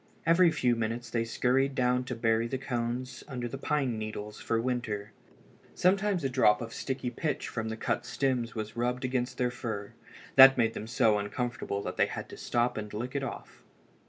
Every few minutes they scurried down to bury the cones under the pine needles for the winter. Sometimes a drop of sticky pitch from the cut stems was rubbed against their fur. That made them so uncomfortable that they had to stop and lick it off.